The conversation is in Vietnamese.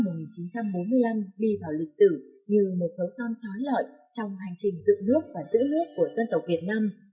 công an nhân dân việt nam đã tham gia một cuộc diễn biến xử như một dấu son trói lợi trong hành trình giữ nước và giữ nước của dân tộc việt nam